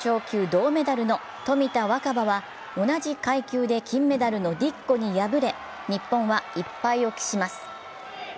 銅メダルの冨田若春は同じ階級で金メダルのディッコに敗れ日本は１敗を喫します。